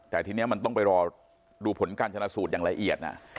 แต่ทีนี้มันต้องไปรอดูผลการชนะสูตรอย่างละเอียด